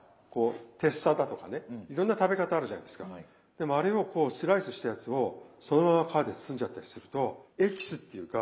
でもあれをこうスライスしたやつをそのまま皮で包んじゃったりするとエキスっていうか